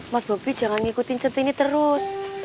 mas bobby jangan ngikutin centini terus